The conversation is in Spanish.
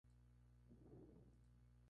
Se conocen pocos datos de la vida de Mazzola.